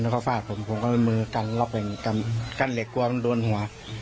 แล้วก็ฟาดผมผมก็มือกันรอบอย่างงี้กันเหล็กกลัวมันโดนหัว